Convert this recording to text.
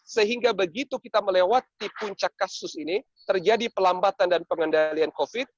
sehingga begitu kita melewati puncak kasus ini terjadi pelambatan dan pengendalian covid